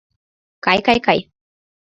— Кай-кай-кай...